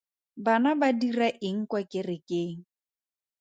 Bana ba dira eng kwa kerekeng?